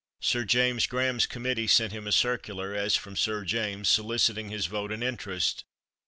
Sir James Graham's committee sent him a circular, as from Sir James, soliciting his vote and interest.